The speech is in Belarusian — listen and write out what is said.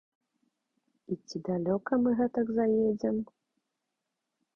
І ці далёка мы гэтак заедзем?